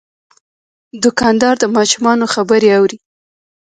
دوکاندار د ماشومانو خبرې اوري.